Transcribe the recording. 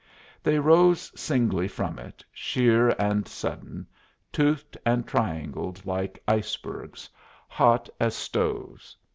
They rose singly from it, sheer and sudden, toothed and triangled like icebergs, hot as stoves.